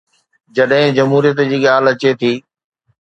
جڏهن جمهوريت جي ڳالهه اچي ٿي.